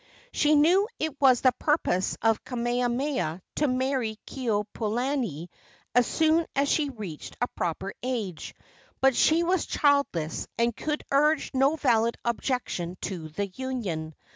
She knew it was the purpose of Kamehameha to marry Keopuolani as soon as she reached a proper age; but she was childless and could urge no valid objection to the union.